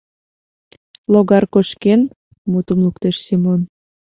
— Логар кошкен, — мутым луктеш Семон.